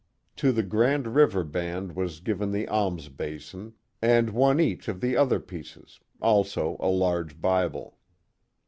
To the Grand River band was given the alms basin and one each of the other pieces, also a large Bible.